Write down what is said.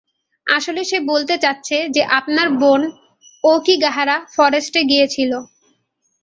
আসলে সে বলতে চাচ্ছে যে আপনার বোন অওকিগাহারা ফরেস্টে গিয়েছিল।